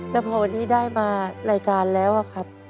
แล้วพอวันนี้ได้มารายการแล้วอะครับ